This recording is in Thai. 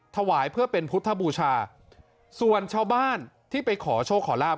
ถวายเพื่อเป็นพุทธบูชาส่วนชาวบ้านที่ไปขอโชคขอลาบ